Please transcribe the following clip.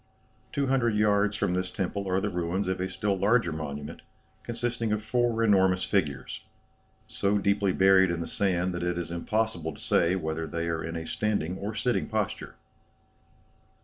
Two hundred yards from this temple are the ruins of a still larger monument, consisting of four enormous figures, so deeply buried in the sand that it is impossible to say whether they are in a standing or sitting posture."